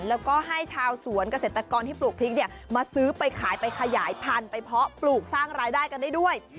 แล้วก็ให้ชาวสวนเกษตรกรที่ปลูกพริกเนี่ยมาซื้อไปขายไปขยายพันธุ์ไปเพาะปลูกสร้างรายได้กันได้ด้วย